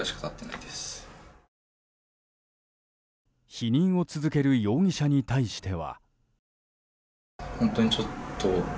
否認を続ける容疑者に対しては。